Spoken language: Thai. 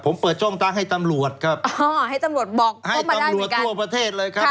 ผมเปิดช่องทางให้ตำรวจครับให้ตำรวจตัวประเทศเลยครับ